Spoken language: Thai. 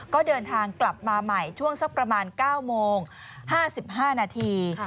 ก็เดินทางกลับมาใหม่ช่วงสักประมาณ๙โมง๕๕นาที